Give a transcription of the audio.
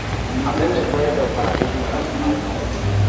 Avem nevoie de o paradigmă radical nouă.